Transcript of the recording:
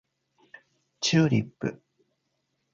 チューリップ